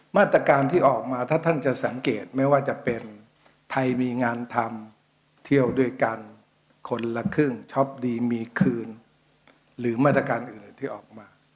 มาตรการที่ออกมาถ้าท่านจะสังเกตไม่ว่าจะเป็นไทยมีงานทำเที่ยวด้วยกันคนละครึ่งช็อปดีมีคืนหรือมาตรการอื่นที่ออกมา